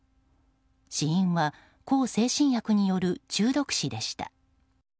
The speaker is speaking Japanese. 死因は向精神薬による中毒死でした。